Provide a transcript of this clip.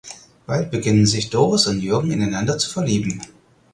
Bald beginnen sich Doris und Jürgen ineinander zu verlieben.